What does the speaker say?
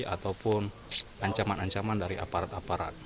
ataupun ancaman ancaman dari aparat aparat